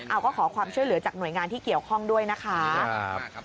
เอาก็ขอความช่วยเหลือจากหน่วยงานที่เกี่ยวข้องด้วยนะคะ